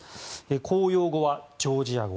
公用語はジョージア語。